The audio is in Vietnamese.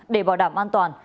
để bảo đảm an toàn